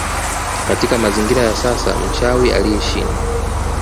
Katika mazingira ya sasa mchawi aliyeshind